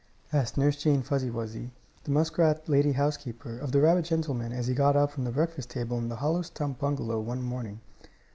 asked Nurse Jane Fuzzy, the muskrat lady housekeeper, of the rabbit gentleman, as he got up from the breakfast table in the hollow stump bungalow one morning.